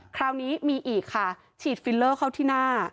คราวนี้มีอีกค่ะฉีดฟิลเลอร์เข้าที่หน้า